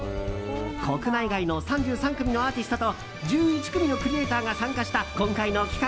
国内外の３３組のアーティストと１１組のクリエーターが参加した今回の企画。